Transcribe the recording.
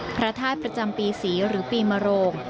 พระธาตุประจำปีศรีหรือปีมโรง